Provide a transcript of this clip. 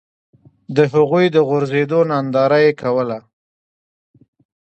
د هغوی د غورځېدو ننداره یې کوله.